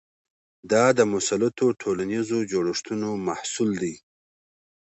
دا د مسلطو ټولنیزو جوړښتونو محصول دی.